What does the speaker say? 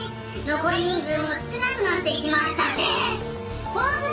「残り人数も少なくなってきましたデス」